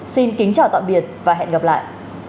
xin kính chào tạm biệt và hẹn gặp lại